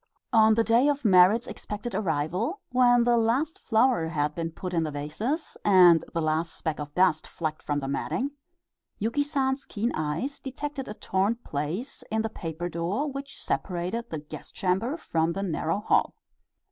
On the day of Merrit's expected arrival, when the last flower had been put in the vases, and the last speck of dust flecked from the matting, Yuki San's keen eyes detected a torn place in the paper door which separated the guest chamber from the narrow hall.